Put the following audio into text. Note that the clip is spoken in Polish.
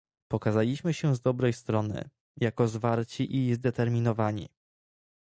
Pokazaliśmy się z dobrej strony, jako zwarci i zdeterminowani